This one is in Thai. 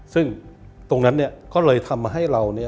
ซึ่งตรงนั้นก็เลยทำให้เรา